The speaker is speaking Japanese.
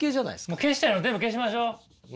もう消したいの全部消しましょう。